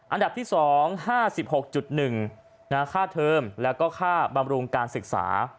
อันดับที่๒๕๖๑ค่าเทอมแล้วก็ค่าบำรุงการศึกษา